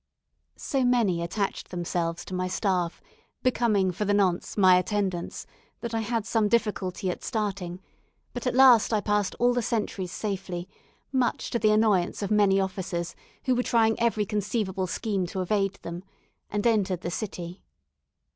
So many attached themselves to my staff, becoming for the nonce my attendants, that I had some difficulty at starting; but at last I passed all the sentries safely, much to the annoyance of many officers, who were trying every conceivable scheme to evade them, and entered the city.